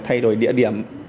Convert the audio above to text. thay đổi địa điểm